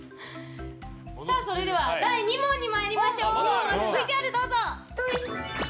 それでは、第２問に参りましょう。